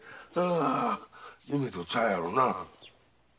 夢とちゃうやろな。